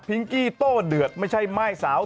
พิ้งกี้โตเดือดไม่ใช่มายสาว